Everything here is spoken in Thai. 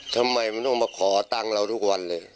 ทำไมมันต้องมาขอตังค์เราทุกวันเลย